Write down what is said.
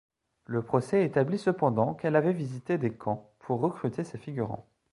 Le procès établit cependant qu'elle avait visité des camps pour recruter ses figurants.